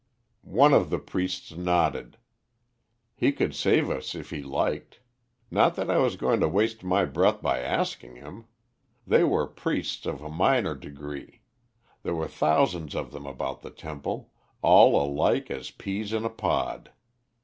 "One of the priests nodded. He could save us if he liked. Not that I was going to waste my breath by asking him. They were priests of a minor degree; there were thousands of them about the temple, all alike as peas in a pod.